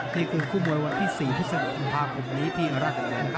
นี่คือคู่มวยวันที่๔พฤษภาคมนี้ที่รัฐ